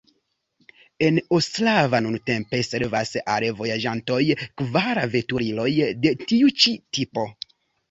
En Ostrava nuntempe servas al vojaĝantoj kvar veturiloj de tiu ĉi tipo.